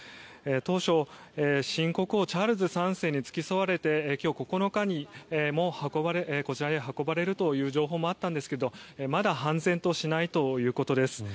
当初、新国王チャールズ３世に付き添われて今日９日にもこちらに運ばれるという情報もあったんですがまだ判然としないということです。